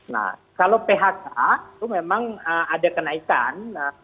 nah kalau phk itu memang ada kenaikan